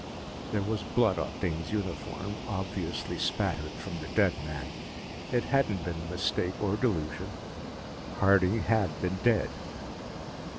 There was blood on Dane's uniform, obviously spattered from the dead man. It hadn't been a mistake or delusion; Harding had been dead.